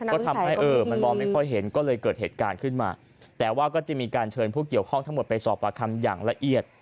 ก็ทำให้เออมันมองไม่ค่อยเห็นก็เลยเกิดเหตุการณ์ขึ้นมาแต่ว่าก็จะมีการเชิญผู้เกี่ยวข้องทั้งหมดไปสอบประคำอย่างละเอียด